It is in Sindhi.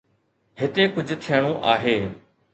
هتي ڪجهه ٿيڻو آهي.